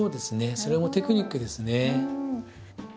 それもテクニックですね。